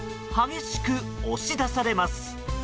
激しく押し出されます。